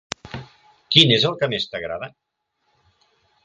Quin és el que més t'agrada?